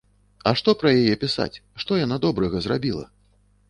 А што пра яе пісаць, што яна добрага зрабіла?